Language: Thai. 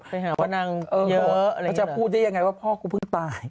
ไปหาว่านางเยอะเขาจะพูดได้ยังไงว่าพ่อกูเพิ่งตาย